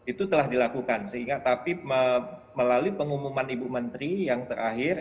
itu telah dilakukan sehingga tapi melalui pengumuman ibu menteri yang terakhir